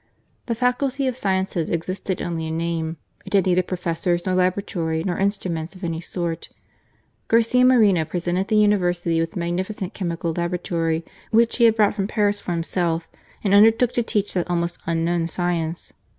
The Faculty of Sciences existed only in name. It had neither professors, nor laboratory, nor instruments of any sort. Garcia Moreno pre sented the University with a magnificent chemical laboratory which he had brought from Paris for him self, and undertook to teach that almost unknown science.